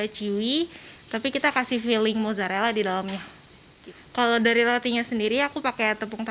chiwi tapi kita kasih feeling mozarella didalam ini kalau dari ratinya sendiri aku pakai tepung